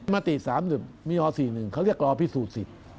มติ๓๑มีอ๔๑เขาเรียกรอพิสูจน์สิทธิ์